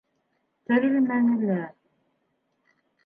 Терелмәне лә...